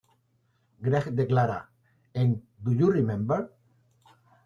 Greg declara, en "Do You Remember?